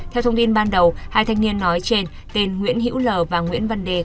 theo thông tin ban đầu hai thanh niên nói trên tên nguyễn hữu lờ và nguyễn văn đề